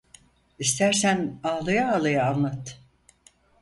İstersen ağlaya ağlaya anlat…